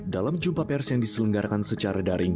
dalam jumpa pers yang diselenggarakan secara daring